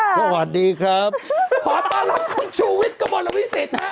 สวัสดีค่ะครับขอต้อนรับคุณชูวิทย์กระบวนละวิศิษฐร์